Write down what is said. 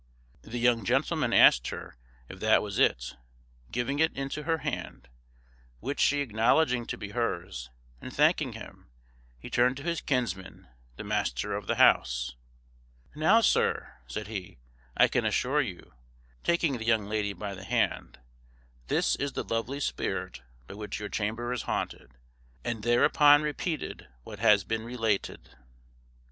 The young gentleman asked her if that was it, giving it into her hand; which she acknowledging to be hers, and thanking him, he turned to his kinsman, the master of the house: "Now, sir," said he, "I can assure you," taking the young lady by the hand "this is the lovely spirit by which your chamber is haunted," and thereupon repeated what has been related.